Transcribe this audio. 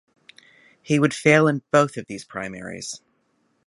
He would fail in both of these primaries.